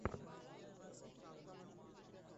পরিস্কার শুরু করি?